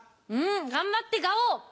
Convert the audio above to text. うん頑張ってガオ。